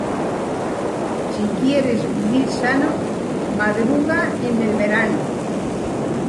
Si quieres vivir sano, madruga en el verano.